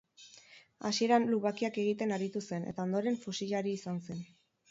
Hasieran lubakiak egiten aritu zen eta ondoren fusilari izan zen.